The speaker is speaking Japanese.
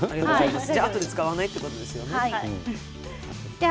あとでは使わないということですね。